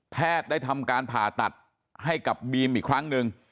ได้ทำการผ่าตัดให้กับบีมอีกครั้งหนึ่ง